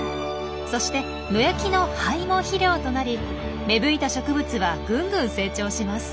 そして野焼きの灰も肥料となり芽吹いた植物はぐんぐん成長します。